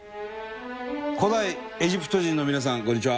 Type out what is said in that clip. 古代エジプト人の皆さんこんにちは！